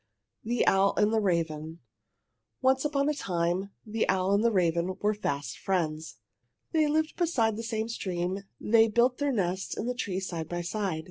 THE OWL AND THE RAVEN Once upon a time the owl and the raven were fast friends. They lived beside the same stream. They built their nests in a tree side by side.